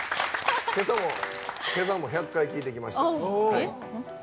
けさも１００回聴いてきました。